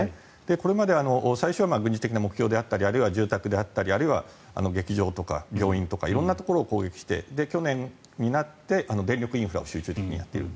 これまで最初は軍事的な目標であったりあるいは住宅であったりあるいは劇場とか病院とか色んなところを攻撃して去年になって電力インフラを集中的にやっている。